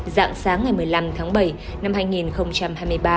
dạng sáng ngày một mươi năm tháng bảy năm hai nghìn hai mươi ba